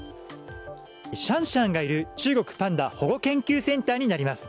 シャンシャンがいる中国パンダ保護研究センターになります。